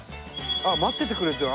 あっ待っててくれてる。